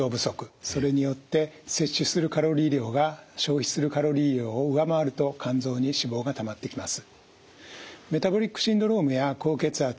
それによって摂取するカロリー量が消費するカロリー量を上回ると肝臓に脂肪がたまってきます。